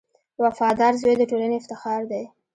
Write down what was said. • وفادار زوی د ټولنې افتخار دی.